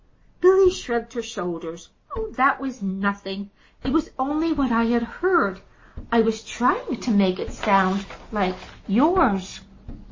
Billy shrugged her shoulders. "That was nothing. It was only what I had heard. I was trying to make it sound like yours."